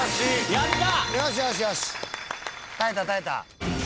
やった！